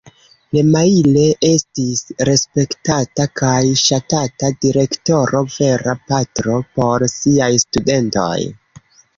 Lemaire estis respektata kaj ŝatata direktoro, vera patro por siaj studentoj.